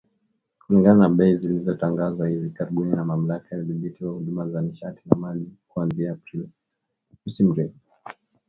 Kulingana na bei zilizotangazwa hivi karibuni na Mamlaka ya Udhibiti wa Huduma za Nishati na Maji kuanzia Aprili sita .